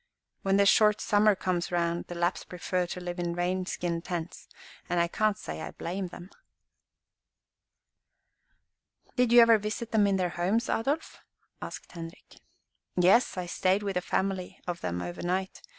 When the short summer comes round, the Lapps prefer to live in deer skin tents, and I can't say I blame them." "Did you ever visit them in their homes, Adolf?" asked Henrik. "Yes, I stayed with a family of them over night.